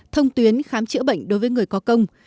thông tuyến khám chữa bệnh đối với người có công